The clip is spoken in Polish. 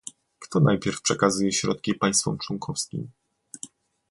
Kto najpierw przekazuje środki państwom członkowskim?